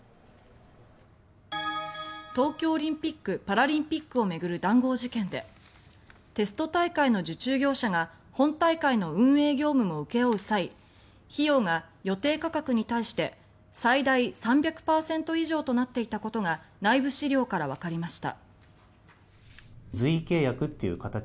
東京オリンピック・パラリンピックを巡る談合事件でテスト大会の受注業者が本大会の運営業務を請け負う際費用が予定価格に対して最大３００％以上となっていたことが内部資料からわかりました。